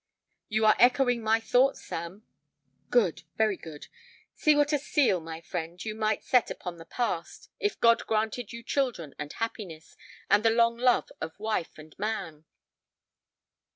"You are echoing my own thoughts, Sam." "Good; very good. See what a seal, my friend, you might set upon the past, if God granted you children and happiness, and the long love of wife and man."